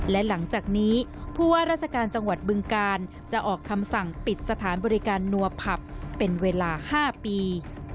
และหลังจากนี้ผู้ว่าราชการจังหวัดบึงกาลจะออกคำสั่งปิดสถานบริการนัวผับเป็นเวลา๕ปี